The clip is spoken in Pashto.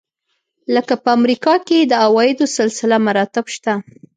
لکه په امریکا کې د عوایدو سلسله مراتب شته.